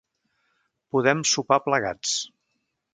Podem sopar plegats.